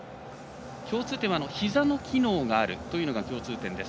共通点はひざの機能があるというのが共通点です。